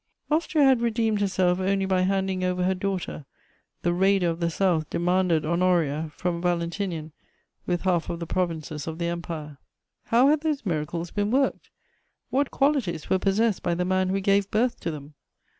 Austria had redeemed herself only by handing over her daughter: the "raider" of the South demanded Honoria from Valentinian, with half of the provinces of the Empire. How had those miracles been worked? What qualities were possessed by the man who gave birth to them?